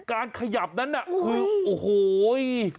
การขยับนั้นน่ะคือโอ้โห